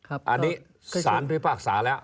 อันนี้สารพิพากษาแล้ว